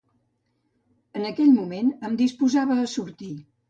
En aquell moment em disposava a sortir.